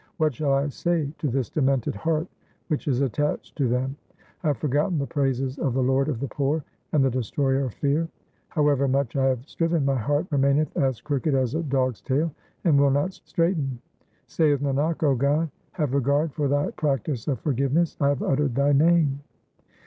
What shall I say to this demented heart which is attached to them ? I have forgotten the praises of the Lord of the poor and the Destroyer of fear ; However much I have striven, my heart remaineth as crooked as a dog's tail, and will not straighten. Saith Nanak, 0 God, have regard for Thy practice of forgiveness ; I have uttered Thy name.